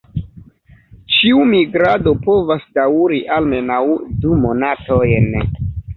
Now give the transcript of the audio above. Ĉiu migrado povas daŭri almenaŭ du monatojn.